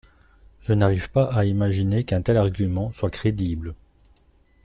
Je n’arrive pas à imaginer qu’un tel argument soit crédible.